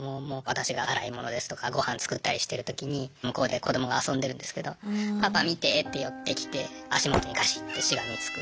私が洗い物ですとか御飯作ったりしてる時に向こうで子どもが遊んでるんですけどパパ見てって寄ってきて足元にがしってしがみつく。